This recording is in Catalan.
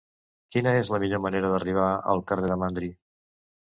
Quina és la millor manera d'arribar al carrer de Mandri?